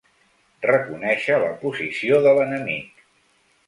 Reconèixer la posició de l'enemic.